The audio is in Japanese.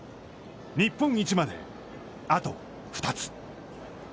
日本一まで、あと２つ。